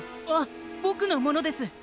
あっぼくのものです！